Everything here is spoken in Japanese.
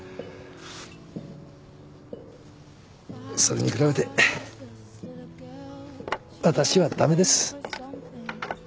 それに比べて私は駄目です。